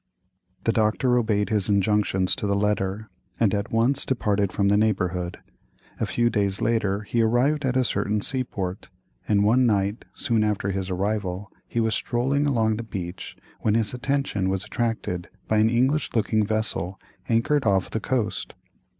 The doctor obeyed his injunctions to the letter, and at once departed from the neighbourhood. A few days later he arrived at a certain seaport, and one night, soon after his arrival, he was strolling along the beach when his attention was attracted by an English looking vessel anchored off the coast.